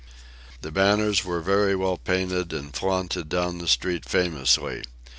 The banners were very well painted, and flaunted down the street famously.